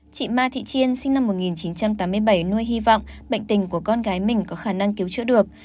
chị ma thị chiên sinh năm một nghìn chín trăm tám mươi bảy nuôi hy vọng bệnh tình của con gái mình có khả năng cứu chữa được